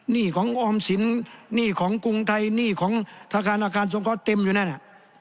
หนี้ของออมสินหนี้ของกรุงไทยหนี้ของธนาคารอาคารสงเคราะห์เต็มอยู่นั่นน่ะ